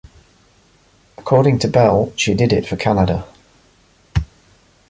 According to Bell, she did it for Canada.